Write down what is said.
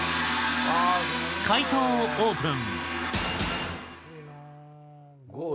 解答をオープン。